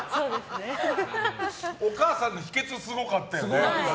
お母さんの秘訣すごかったよね。